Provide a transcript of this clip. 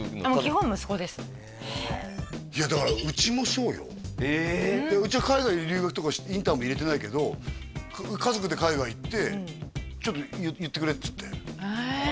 基本息子ですいやだからうちもそうよえうちは海外へ留学とかインターも入れてないけど家族で海外行ってちょっと言ってくれっつってへえ